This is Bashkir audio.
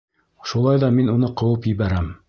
— Шулай ҙа мин уны ҡыуып ебәрәм.